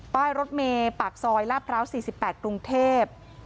ป้ายรถเมย์ปากซอยลาดพร้าว๔๘กรุงเทพ